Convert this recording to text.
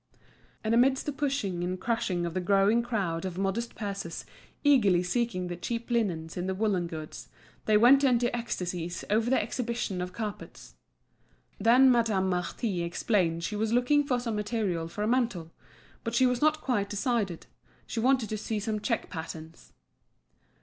And amidst the pushing and crushing of the growing crowd of modest purses eagerly seeking the cheap lines in the woollen goods, they went into ecstasies over the exhibition of carpets. Then Madame Marty explained she was looking for some material for a mantle; but she was not quite decided; she wanted to see some check patterns.